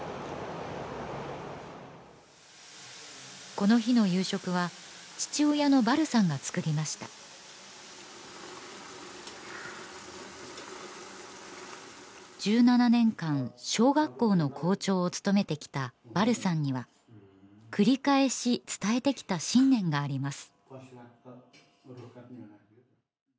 この日の夕食は父親のバルさんが作りました１７年間小学校の校長を務めてきたバルさんには繰り返し伝えてきた信念があります